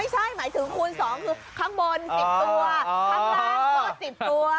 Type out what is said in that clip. ใช่หมายถึงคูณ๒คือข้างบน๑๐ตัวข้างล่างก็๑๐ตัว